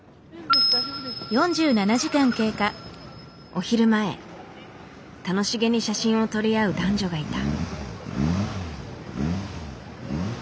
お昼前楽しげに写真を撮り合う男女がいた。